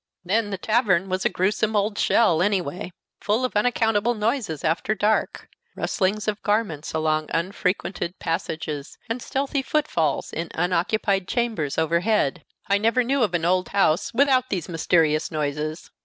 Then the tavern was a grewsome old shell any way, full of unaccountable noises after dark rustlings of garments along unfrequented passages, and stealthy footfalls in unoccupied chambers overhead. I never knew of an old house without these mysterious noises.